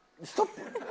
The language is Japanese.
ストップ？